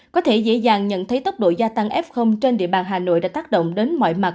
có thể dễ dàng nhận thấy tốc độ gia tăng f trên địa bàn hà nội đã tác động đến mọi mặt